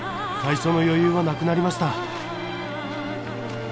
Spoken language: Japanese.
最初の余裕はなくなりました。